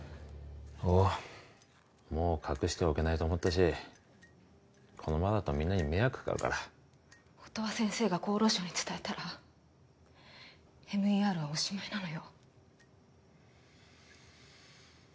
おおもう隠しておけないと思ったしこのままだとみんなに迷惑がかかるから音羽先生が厚労省に伝えたらＭＥＲはおしまいなのよ